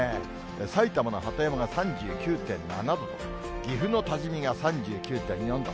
埼玉の鳩山が３９．７度、岐阜の多治見が３９．４度。